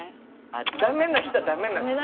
ダメな人はダメなんですね。